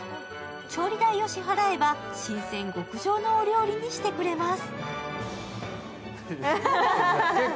調理代を支払えれば、新鮮、極上のお料理にしてくれます。